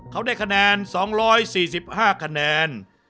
เขาได้คะแนน๒๔๕คะแนน